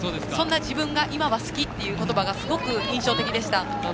そんな自分が今は好きということばがすごく印象的でした。